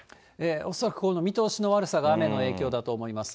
恐らくこの見通しの悪さが雨の影響だと思います。